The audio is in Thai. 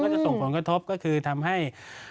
จะส่งผลกระทบก็คือทำให้